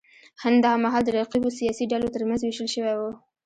هند دا مهال د رقیبو سیاسي ډلو ترمنځ وېشل شوی و.